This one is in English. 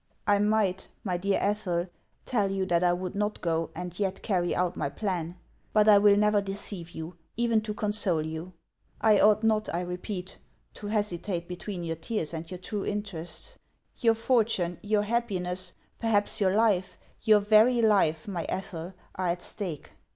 " I might, my dear Ethel, tell you that I would not go, and yet carry out my plan ; but I will never deceive you, even to console you. I ought not, I repeat, to hesitate between your tears and your true interests. Your fortune, 112 , HANS OF ICELAND. your happiness, perhaps your life, — your very life, my Ethel, — are at stake."